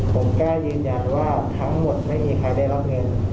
ผมกล้ายืนยันว่าทั้งหมดไม่มีใครได้รับเงิน